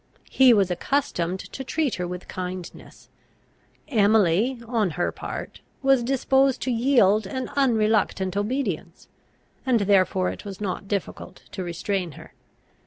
He was accustomed to treat her with kindness. Emily, on her part, was disposed to yield an unreluctant obedience, and therefore it was not difficult to restrain her.